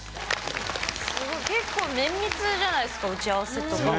すごい結構綿密じゃないですか打ち合わせとか。